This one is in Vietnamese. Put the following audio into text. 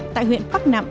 tại huyện bắc nẵm